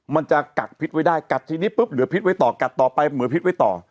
มันจะกัดพิษไว้ได้กัดทีนี้ปุ๊บเหลือพิษไว้ต่อกัดต่อไปเหมือนพิษไว้ต่อ